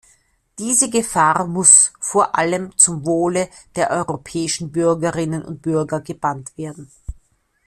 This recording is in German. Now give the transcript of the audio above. Diese Gefahr muss vor allem zum Wohle der europäischen Bürgerinnen und Bürger gebannt werden.